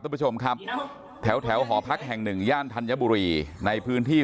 คุณผู้ชมครับแถวหอพักแห่งหนึ่งย่านธัญบุรีในพื้นที่